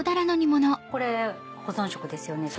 これ保存食ですよね？